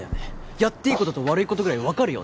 やっていいことと悪いことぐらい分かるよね？